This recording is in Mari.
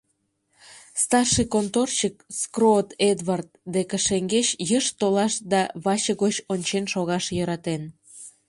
Старший конторщик Скроот Эдвард деке шеҥгеч йышт толаш да ваче гоч ончен шогаш йӧратен.